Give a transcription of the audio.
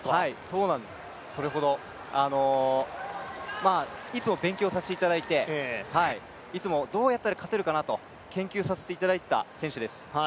それほどいつも勉強させていただいていつもどうやったら勝てるかなと研究させていただいていた選手です。